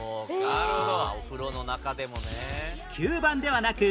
なるほど。